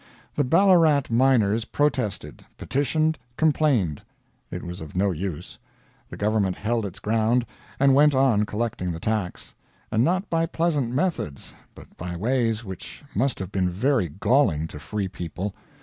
The Ballarat miners protested, petitioned, complained it was of no use; the government held its ground, and went on collecting the tax. And not by pleasant methods, but by ways which must have been very galling to free people.